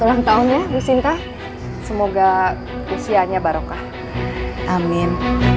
ulang tahunnya bu sinta semoga usianya barokah amin